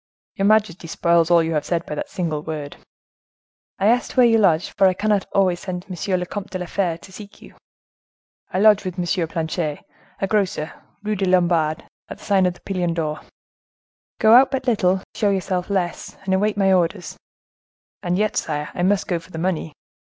"Your majesty spoils all you have said by that single word." "I asked where you lodged, for I cannot always send to M. le Comte de la Fere to seek you." "I lodge with M. Planchet, a grocer, Rue des Lombards, at the sign of the Pilon d'Or." "Go out but little, show yourself less, and await my orders." "And yet, sire, I must go for the money."